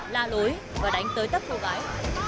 la lối và đánh tới tất cô gái